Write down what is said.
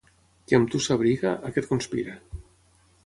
Qui amb tu s'abriga, aquest conspira.